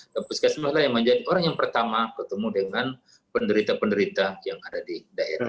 dan puskesmas itu yang menjadi orang yang pertama ketemu dengan penderita penderita yang ada di daerah